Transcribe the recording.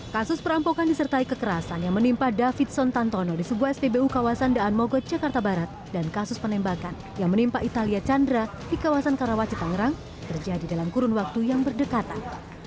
ketimpangan sosial ditambah dengan tingginya jumlah pengangguran juga menjadi pemicu kejahatan